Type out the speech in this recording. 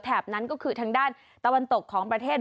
นั้นก็คือทางด้านตะวันตกของประเทศ